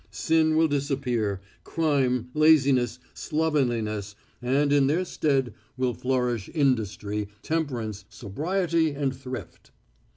Sin will disappear, crime, laziness, slovenliness, and in their stead will flourish industry, temperance, sobriety and thrift.